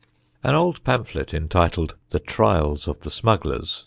An old pamphlet, entitled, _The Trials of the Smugglers